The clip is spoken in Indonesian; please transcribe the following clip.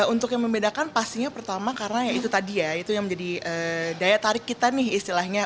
untuk yang membedakan pastinya pertama karena ya itu tadi ya itu yang menjadi daya tarik kita nih istilahnya